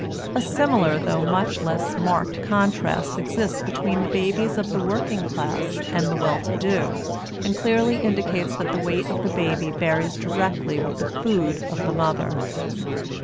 A similar though much less marked contrast exists between the babies of the working classes and the well to do, and clearly indicates that the weight of the baby varies directly with the food of the mother.